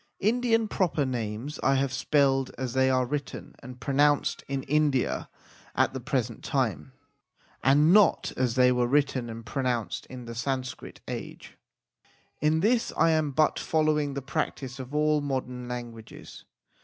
Indian proper names I have spelled as they are written and pronounced in India at the present time, and not as they were written and pronounced in the Sanskrit age. In this I am but following the practice of all modern languages.